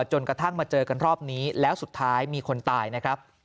จนกระทั่งมาเจอกันรอบนี้แล้วสุดท้ายมีคนตายนะครับ